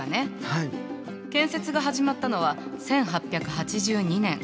建設が始まったのは１８８２年。